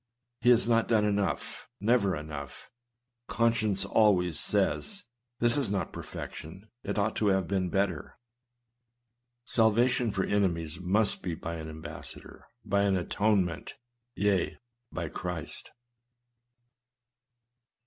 He has not done enough — "never enough;" conscience always says, "this is not perfection ; it ought to have been better." Salvation for enemies must be by an ambassador, — by an atone ment, — yea, by Christ.